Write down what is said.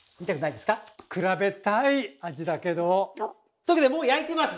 というわけでもう焼いてます！